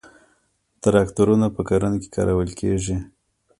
تراکتورونه په کرنه کې کارول کیږي